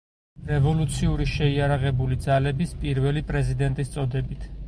რევოლუციური შეიარაღებული ძალების პირველი პრეზიდენტის წოდებით.